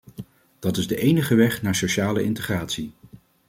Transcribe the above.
Dat is de enige weg naar sociale integratie.